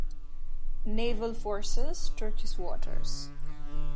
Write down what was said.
Naval Forces, Turkish Waters.